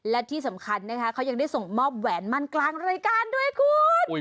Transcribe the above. และที่สำคัญนะคะเขายังได้ส่งมอบแหวนมั่นกลางรายการด้วยคุณ